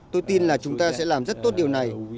tôi tin là chúng ta sẽ làm rất tốt điều này